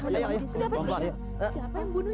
kenapa dua orang